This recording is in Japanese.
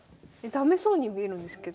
駄目そうに見えるんですけど。